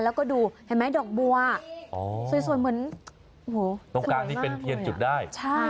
แล้วก็ดูเห็นไหมดอกบัวสวยเหมือนตรงกลางนี้เป็นเทียนจุดได้